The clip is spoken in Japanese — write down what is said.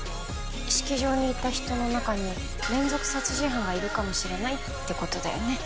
式場にいた人の中に連続殺人犯がいるかもしれないってことだよね。